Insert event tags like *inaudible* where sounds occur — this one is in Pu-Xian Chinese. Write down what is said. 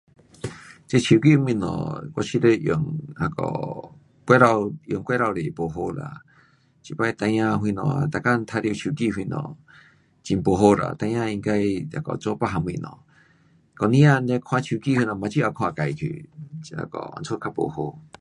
*noise* 这手机的东西我觉得它用那个过头，用过头多不好啦。这次孩儿什么每天玩耍手机什么，很不好啦，孩儿应该那个做别样东西，整个天这看手机什么眼睛也看坏去。这那个因此较不好。